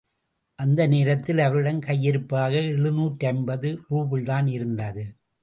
அந்த நேரத்தில் அவரிடம் கையிருப்பாக எழுநூற்றைம்பது ரூபிள்தான் இருந்தது.